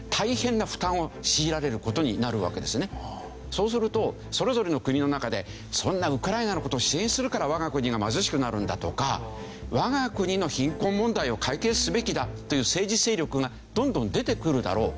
そうするとそれぞれの国の中でそんなウクライナの事を支援するから我が国が貧しくなるんだとか我が国の貧困問題を解決すべきだという政治勢力がどんどん出てくるだろう。